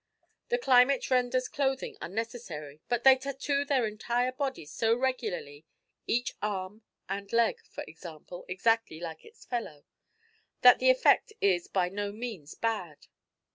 The climate renders clothing unnecessary, but they tattoo their entire bodies so regularly (each arm and leg, for example, exactly like its fellow), that the effect is by no means bad.